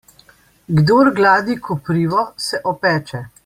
Kdor gladi koprivo, se opeče.